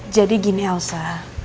jadi gini elsa